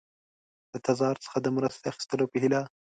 د تزار څخه د مرستې اخیستلو په هیله.